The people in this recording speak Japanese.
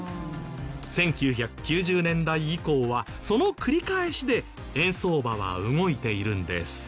１９９０年代以降はその繰り返しで円相場は動いているんです。